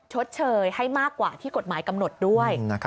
ชดเชยให้มากกว่าที่กฎหมายกำหนดด้วย